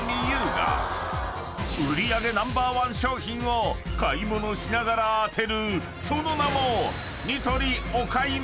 ［売り上げナンバーワン商品を買い物しながら当てるその名も］